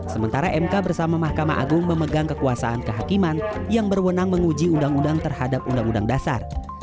sementara mk bersama mahkamah agung memegang kekuasaan kehakiman yang berwenang menguji undang undang terhadap undang undang dasar